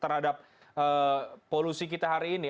terhadap polusi kita hari ini